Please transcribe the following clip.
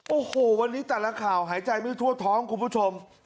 โอ้โหวันนี้แต่ละข่าวหายใจไม่ทั่วท้องคุณผู้ชม